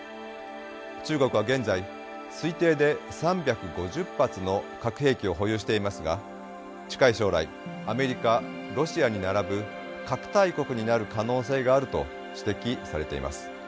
中国は現在推定で３５０発の核兵器を保有していますが近い将来アメリカロシアに並ぶ核大国になる可能性があると指摘されています。